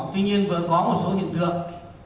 tuy nhiên vừa có một số hiện tượng